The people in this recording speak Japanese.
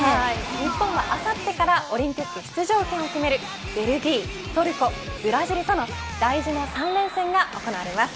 日本はあさってからオリンピック出場権を決めるベルギー、トルコ、ブラジルとの大事な３連戦が行われます。